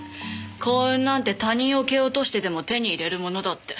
幸運なんて他人を蹴落としてでも手に入れるものだって。